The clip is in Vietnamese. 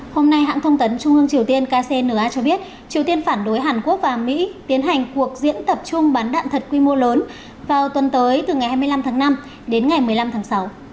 hôm nay hãng thông tấn trung ương triều tiên kcna cho biết triều tiên phản đối hàn quốc và mỹ tiến hành cuộc diễn tập chung bắn đạn thật quy mô lớn vào tuần tới từ ngày hai mươi năm tháng năm đến ngày một mươi năm tháng sáu